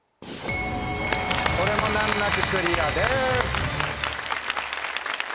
これも難なくクリアです。